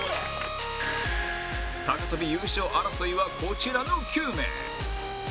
高跳び優勝争いはこちらの９名